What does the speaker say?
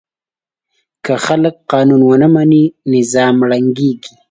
که خلک قانون ونه مني، نظام ړنګېږي.